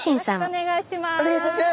お願いいたします。